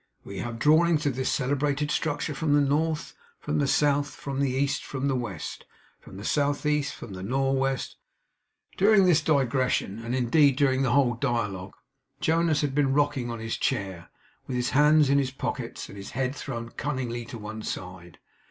We have drawings of this celebrated structure from the North, from the South, from the East, from the West, from the South East, from the Nor'West ' During this digression, and indeed during the whole dialogue, Jonas had been rocking on his chair, with his hands in his pockets and his head thrown cunningly on one side.